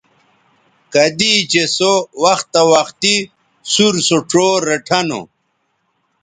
کدی چہء سو وختہ وختی سُور سو ڇو ریٹھہ نو